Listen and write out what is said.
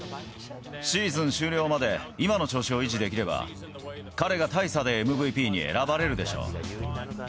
シーズン終了まで、今の調子を維持できれば、彼が大差でＭＶＰに選ばれるでしょう。